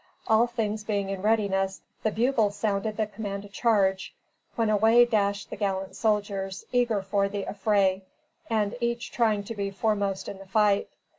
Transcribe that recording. All things being in readiness, the bugles sounded the command to charge, when away dashed the gallant soldiers, eager for the affray, and each trying to be foremost in the fight.